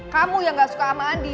kamu yang gak suka sama mandi